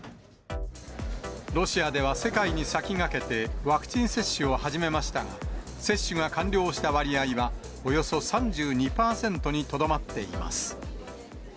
ロシアでは、世界に先駆けてワクチン接種を始めましたが、接種が完了した割合はおよそ３２％にとどまっています。